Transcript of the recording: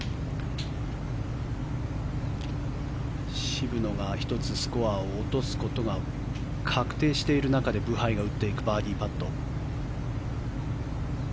渋野が１つスコアを落とすことが確定している中でブハイが打っていくバーディーパット。